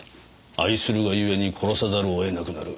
愛するがゆえに殺さざるを得なくなる。